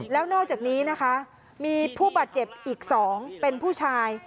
แล้วนอกจากนี้นะคะมีผู้บาดเจ็บอีก๒เป็นผู้ชาย